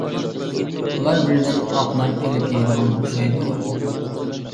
ئۇلار بىردىن ئاق نان ئېلىپ يەيدىغان ئوخشايدۇ.